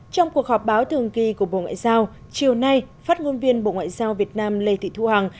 trong cuộc họp báo thường kỳ của bộ ngoại giao chiều nay phát ngôn viên bộ ngoại giao việt nam lê thị thu hằng